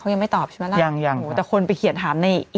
ยังไม่ตอบใช่ไหมล่ะยังยังแต่คนไปเขียนถามใน